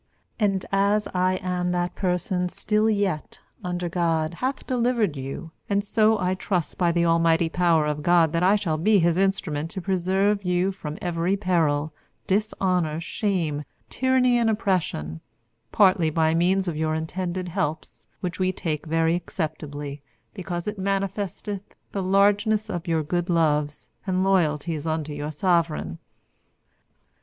And as I am that person still yet, under God, hath delivered you and so I trust by the almighty power of God that I shall be his instrument to preserve you from every peril, dishonour, shame, tyranny and oppression, partly by means of your intended helps which we take very acceptably because it manifesteth the largeness of your good loves and loyalties unto your sovereign.